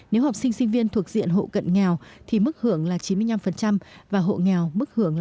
nếu học sinh sinh viên thuộc diện hộ cận nghèo thì mức hưởng là chín mươi năm và hộ nghèo mức hưởng là một trăm linh